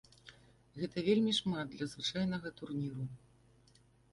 Гэта вельмі шмат для звычайнага турніру.